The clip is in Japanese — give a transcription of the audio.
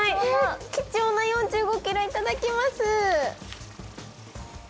貴重な４５ｋｇ、頂きます。